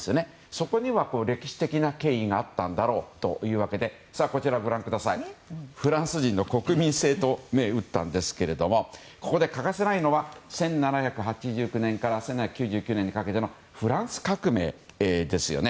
そこには歴史的な経緯があったんだろうというわけでフランス人の国民性と銘打ったんですがここで欠かせないのは１７８９年から１７９９年にかけてのフランス革命ですよね。